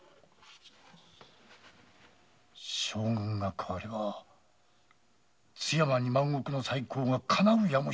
将軍が代われば津山二万石の再興がかなうやもしれんのだ。